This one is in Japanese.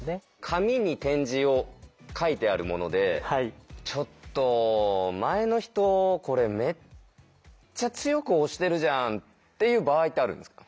紙に点字を書いてあるもので「ちょっと前の人これめっちゃ強く押してるじゃん」っていう場合ってあるんですか？